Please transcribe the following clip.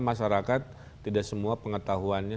masyarakat tidak semua pengetahuannya